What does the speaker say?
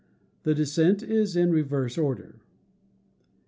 The descent is in reverse order.